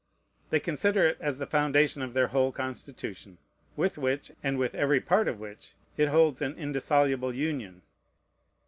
They consider it as the foundation of their whole Constitution, with which, and with every part of which, it holds an indissoluble union.